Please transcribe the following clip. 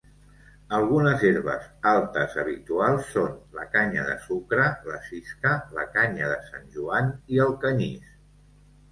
Algunes herbes altes habituals són la canya de sucre, la sisca, la canya de sant Joan i el canyís.